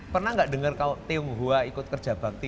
pernah nggak dengar kalau tionghoa ikut kerja bakti